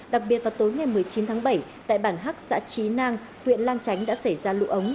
đặc biệt vào tối ngày một mươi chín tháng bảy tại bản hắc xã trí nang huyện lang chánh đã xảy ra lũ ống